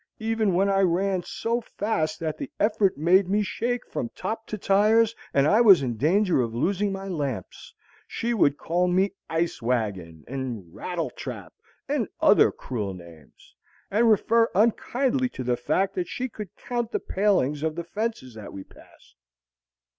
Even when I ran so fast that the effort made me shake from top to tires and I was in danger of losing my lamps, she would call me "ice wagon" and "rattle trap" and other cruel names, and refer unkindly to the fact that she could count the palings of the fences that we passed.